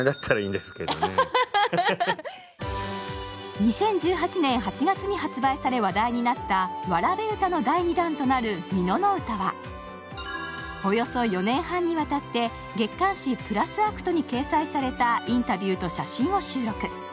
２０１８年８月に発売され話題になった「童歌」の第２弾となる「蓑詩」は、およそ４年半にわたって月刊誌「＋ａｃｔ．」に掲載されたインタビューと写真を収録。